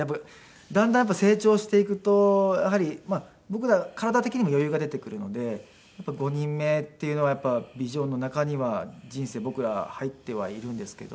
だんだんやっぱり成長していくとやはりまあ僕ら体的にも余裕が出てくるので５人目っていうのはやっぱりビジョンの中には人生僕ら入ってはいるんですけど。